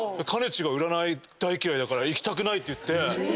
ちが占い大嫌いだから行きたくないっていって。